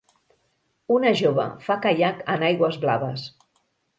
Una jove fa caiac en aigües blaves.